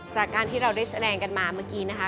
จากการที่เราได้แสดงกันมาเมื่อกี้นะคะ